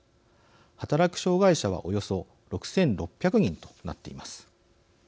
働く障害者はおよそ６，６００人となっています。